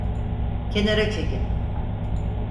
Kenara çekin!